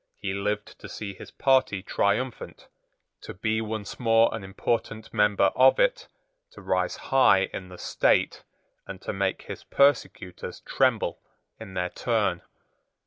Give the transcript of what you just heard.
He lived to see his party triumphant, to be once more an important member of it, to rise high in the state, and to make his persecutors tremble in their turn.